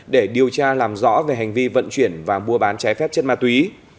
để điều tra làm rõ về hành vi vận chuyển và mua bán trái phép chất ma túy